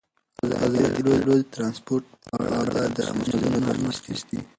ازادي راډیو د ترانسپورټ په اړه د مسؤلینو نظرونه اخیستي.